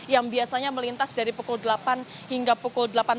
yang biasanya melintas dari pukul delapan hingga pukul delapan belas